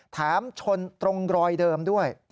แถมชนตรงรอยเดิมด้วย